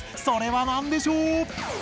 それは何でしょう？